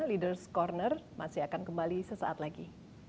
leaders ⁇ corner masih akan kembali sesaat lagi